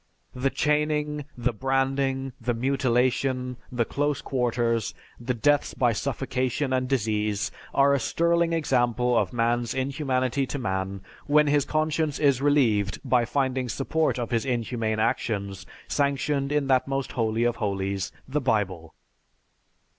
The chaining, the branding, the mutilation, the close quarters, the deaths by suffocation and disease, are a sterling example of man's inhumanity to man when his conscience is relieved by finding support of his inhumane actions sanctioned in that most holy of holies, the Bible.